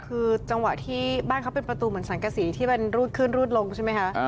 คือจังหวะที่บ้านเขาเป็นประตูเหมือนสังกษีที่มันรูดขึ้นรูดลงใช่ไหมคะ